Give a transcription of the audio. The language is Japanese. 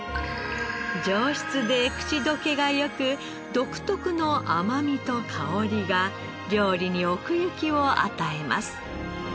上質で口溶けが良く独特の甘みと香りが料理に奥行きを与えます。